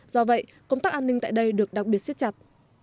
do vậy công tác an ninh tại đây được đặc biệt siết chặt